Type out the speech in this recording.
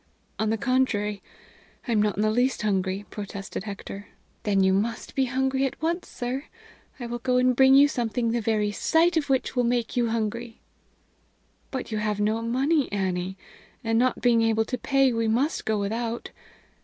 "On the contrary, I am not in the least hungry," protested Hector. "Then you must be hungry at once, sir. I will go and bring you something the very sight of which will make you hungry." "But you have no money, Annie; and, not being able to pay, we must go without.